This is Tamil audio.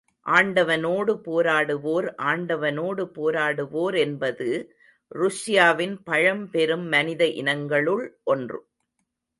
ஆண்டவனோடு போராடுவோர் ஆண்டவனோடு போராடுவோர் என்பது ருஷ்யாவின் பழம்பெரும் மனித இனங்களுள் ஒன்று.